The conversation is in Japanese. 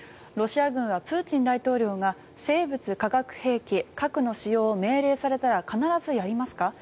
ロシア軍はプーチン大統領が生物・化学兵器、核の使用を命令されたら必ずやりますか？